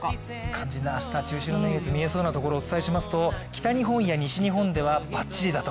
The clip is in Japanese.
肝心な明日、中秋の名月見えそうなところお伝えしますと北日本や西日本ではばっちりだと。